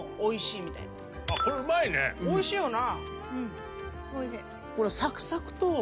おいしいよな。